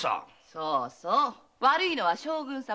そうそう悪いのは将軍様。